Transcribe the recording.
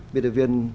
biên đội viên